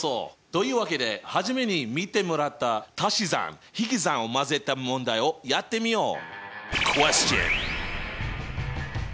というわけで初めに見てもらったたし算引き算を混ぜた問題をやってみよう！